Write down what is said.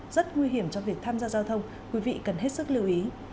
rất nguy hiểm cho việc tham gia giao thông quý vị cần hết sức lưu ý